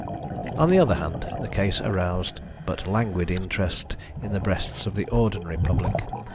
On the other hand, the case aroused but languid interest in the breasts of the ordinary public.